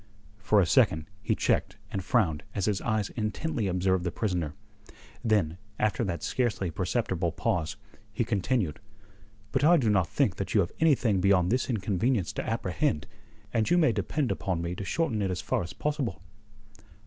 For a second he checked and frowned as his eyes intently observed the prisoner. Then, after that scarcely perceptible pause, he continued, "but I do not think that you have anything beyond this inconvenience to apprehend, and you may depend upon me to shorten it as far as possible."